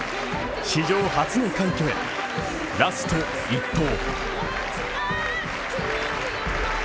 史上初の快挙へ、ラスト１投。